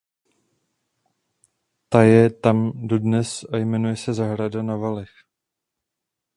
Ta je tam dodnes a jmenuje se zahrada Na Valech.